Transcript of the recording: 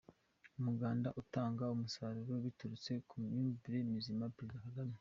Umuganda utanga umusaruro biturutse ku myumvire mizima Perezida Kagame